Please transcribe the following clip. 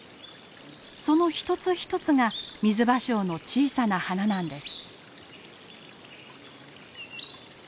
その一つ一つがミズバショウの小さな花なんです。